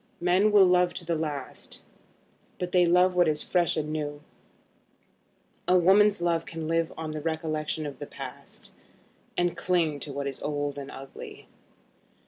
Men will love to the last, but they love what is fresh and new. A woman's love can live on the recollection of the past, and cling to what is old and ugly.